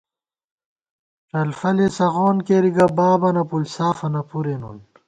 ڄلفَلےسغون کېری گہ بوبانہ پُݪ سافَنہ پُرے نُن